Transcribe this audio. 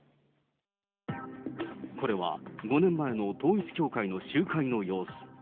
これは５年前の統一教会の集会の様子。